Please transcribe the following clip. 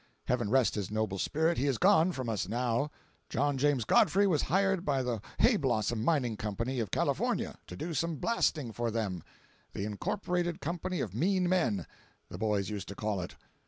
Heaven rest his noble spirit, he is gone from us now. John James Godfrey was hired by the Hayblossom Mining Company in California to do some blasting for them—the "Incorporated Company of Mean Men," the boys used to call it.